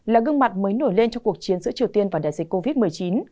là gương mặt mới nổi lên cho cuộc chiến giữa triều tiên và đại dịch covid một mươi chín